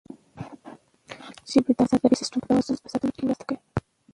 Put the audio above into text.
ژبې د افغانستان د طبعي سیسټم د توازن په ساتلو کې مرسته کوي.